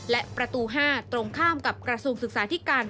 และประตู๕ตรงข้ามกับกระทรวงศึกษาธิการ